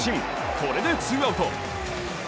これでツーアウト。